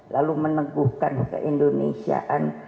lalu meneguhkan keindonesiaan